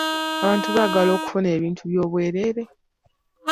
Abantu baagala okufuna ebintu by'obwereere.